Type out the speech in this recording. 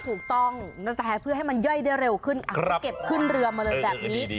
ถูกต้องแต่เพื่อให้มันย่อยได้เร็วขึ้นเก็บขึ้นเรือมาเลยแบบนี้